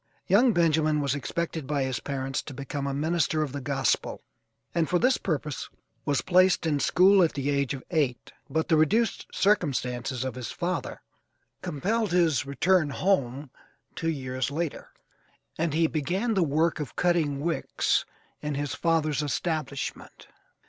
Young Benjamin was expected by his parents to become a minister of the Gospel, and for this purpose was placed in school at the age of eight, but the reduced circumstances of his father compelled his return home two years later, and he began the work of cutting wicks in his father's establishment.